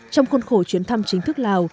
trong khuôn khổ chuyến thăm chính thức lào